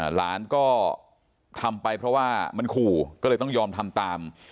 หลานก็ทำไปเพราะว่ามันขู่ก็เลยต้องยอมทำตาม